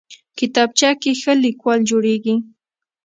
کتابچه کې ښه لیکوال جوړېږي